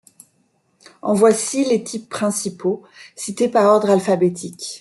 En voici les types principaux, cités par ordre alphabétique.